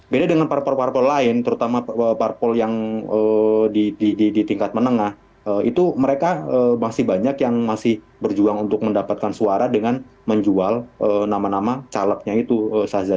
beda dengan parpol parpol lain terutama parpol yang di tingkat menengah itu mereka masih banyak yang masih berjuang untuk mendapatkan suara dengan menjual nama nama calegnya itu saza